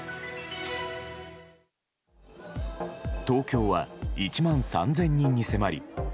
東京は１万３０００人に迫り